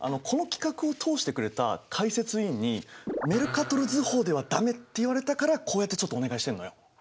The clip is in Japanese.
この企画を通してくれた解説委員に「メルカトル図法ではダメ！」って言われたからこうやってちょっとお願いしてんのよ。